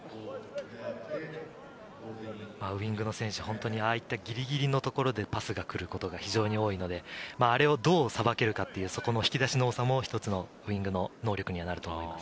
ウイングの選手、ああいったギリギリのところでパスが来ることが非常に多いので、あれをどうさばけるかっていう引き出しの多さも、一つのウイングの能力になると思います。